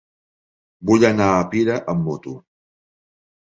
Vull anar a Pira amb moto.